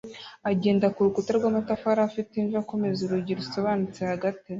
agenda kurukuta rwamatafari afite imvi akomeza urugi rusobanutse hagati